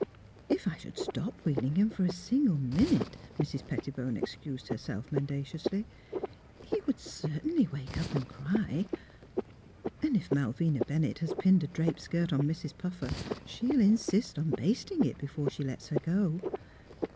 If I should stop wheeling him for a single minute," Mrs. Pettibone excused herself, menda ciously, *' he would certainly wake up and cry. And if Malvina Bennett has pinned a draped skirt on Mrs. Puffer, she'll insist on basting it before she lets her go."